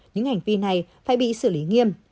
những hành vi này phải bị xử lý nghiêm